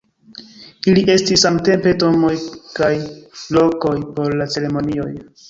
Ili estis samtempe tomboj kaj lokoj por la ceremonioj.